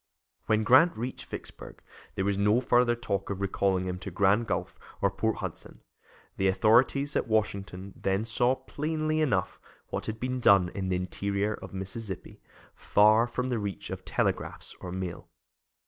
When Grant reached Vicksburg, there was no further talk of recalling him to Grand Gulf or Port Hudson. The authorities at Washington then saw plainly enough what had been done in the interior of Mississippi, far from the reach of telegraphs or mail.